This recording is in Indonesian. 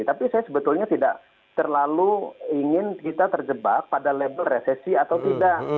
tapi saya sebetulnya tidak terlalu ingin kita terjebak pada label resesi atau tidak